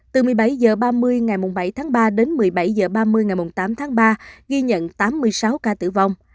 từ một mươi bảy h ba mươi ngày bảy tháng ba đến một mươi bảy h ba mươi ngày tám tháng ba ghi nhận tám mươi sáu ca tử vong